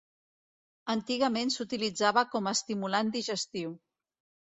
Antigament s'utilitzava com a estimulant digestiu.